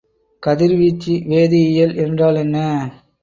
கதிர்வீச்சு வேதிஇயல் என்றால் என்ன?